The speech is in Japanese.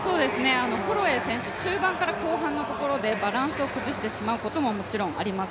ホロウェイ選手、中盤から後半のところでバランスを崩してしまうことももちろんあります。